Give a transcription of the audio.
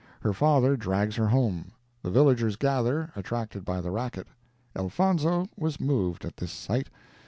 Her father drags her home. The villagers gather, attracted by the racket. Elfonzo was moved at this sight.